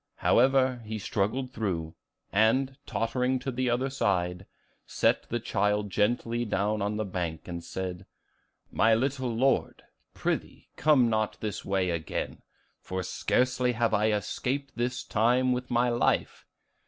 However, he struggled through, and, tottering to the other side, set the child gently down on the bank, and said, 'My little Lord, prithee, come not this way again, for scarcely have I escaped this time with life.